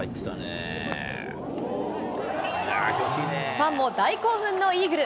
ファンも大興奮のイーグル。